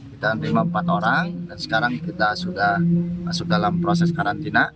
kita terima empat orang dan sekarang kita sudah masuk dalam proses karantina